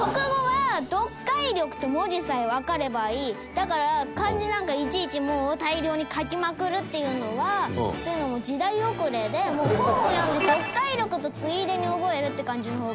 だから漢字なんかいちいちもう大量に書きまくるっていうのはそういうのも時代遅れで本を読んで読解力とついでに覚えるって感じの方が。